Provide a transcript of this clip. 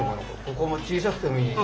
ここは小さくてもいい？